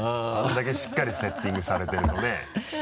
あれだけしっかりセッティングされてるとね。